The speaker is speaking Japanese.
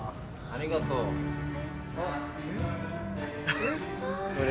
ありがとう。